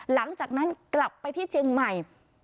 หลังจากนั้นกลับไปที่เชียงใหม่